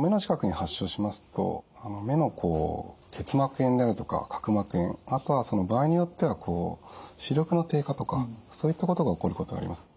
目の近くに発症しますと目の結膜炎になるとか角膜炎あとは場合によっては視力の低下とかそういったことが起こることがあります。